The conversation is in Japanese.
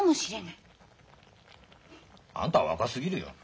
あんたは若すぎるよ。